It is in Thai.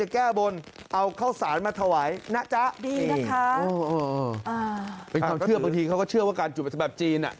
เป็นความเชื่อบางทีเขาก็เชื่อว่าการจุดประทัดสำหรับจีน